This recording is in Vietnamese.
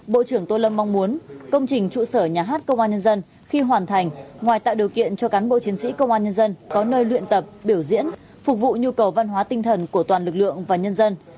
bộ trưởng tô lâm mong muốn công trình trụ sở nhà hát công an nhân dân khi hoàn thành ngoài tạo điều kiện cho cán bộ chiến sĩ công an nhân dân có nơi luyện tập biểu diễn phục vụ nhu cầu văn hóa tinh thần của toàn lực lượng và nhân dân